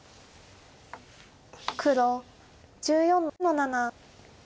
黒１４の七。